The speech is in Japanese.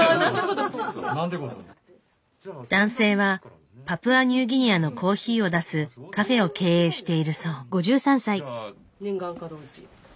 男性はパプアニューギニアのコーヒーを出すカフェを経営しているそう。